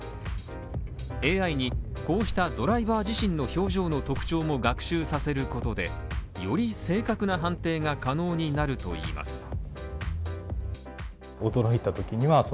ＡＩにこうしたドライバー自身の表情の特徴も学習させることで、より正確な判定が可能になるといいます。